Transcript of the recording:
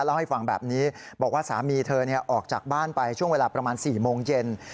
เล่าให้ฟังแบบนี้บอกว่าสามีเธอออกจากบ้านไปช่วงเวลาประมาณ๔โมงเย็น